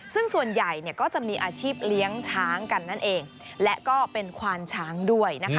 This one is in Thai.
ซึ่งส่วนใหญ่ก็จะมีอาชีพเลี้ยงช้างกันนั่นเองและก็เป็นควานช้างด้วยนะคะ